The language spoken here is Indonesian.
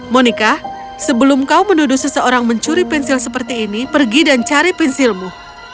monica sebelum kau menuduh seseorang mencuri pensil seperti ini pergi dan cari pensilmu